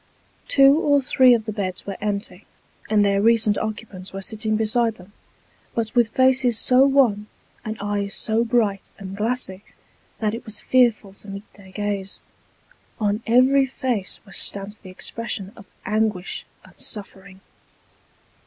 Two or three of the beds were empty, and their recent occupants were sitting beside them, but with faces so wan, and eyes so bright and glassy, that it was fearful to meet their gaze. On every face was stamped the expression of anguish and suffering.